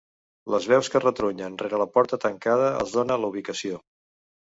Les veus que retrunyen rere la porta tancada els dona la ubicació.